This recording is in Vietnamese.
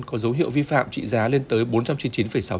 có dấu hiệu vi phạm trị giá lên tới bốn trăm chín mươi chín sáu triệu đồng